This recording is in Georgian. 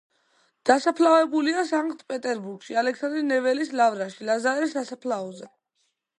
დასაფლავებულია სანქტ-პეტერბურგში, ალექსანდრე ნეველის ლავრაში, ლაზარეს სასაფლაოზე.